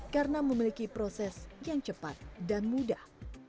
karena memiliki proses yang cepat dan mudah